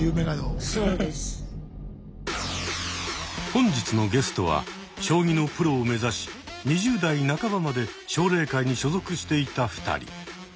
本日のゲストは将棋のプロを目指し２０代半ばまで奨励会に所属していた２人。